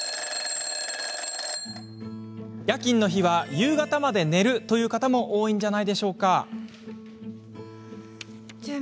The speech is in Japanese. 夜勤の日は夕方まで寝るという方も多いのではないでしょうか？